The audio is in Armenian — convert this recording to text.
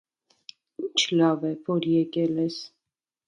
- Ի՞նչ լավ է, որ եկել ես.